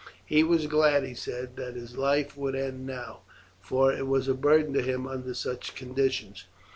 He was glad, he said, that his life would end now, for it was a burden to him under such conditions.